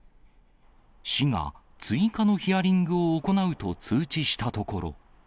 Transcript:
市が、追加のヒアリングを行うと通知したところ。